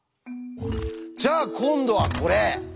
じゃあ今度はこれ。